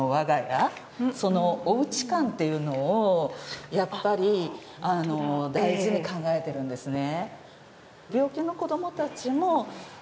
おうち感というのを、やっぱり大事に考えているんですね。